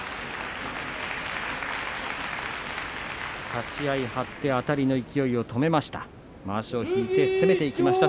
立ち合い、張ってあたりの勢いを止めました。